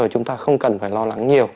chúng ta không cần phải lo lắng nhiều